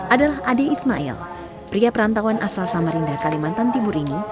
adalah ade ismail pria perantauan asal samarinda kalimantan timur ini